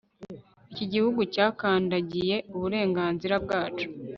Iki gihugu cyakandagiye uburenganzira bwacu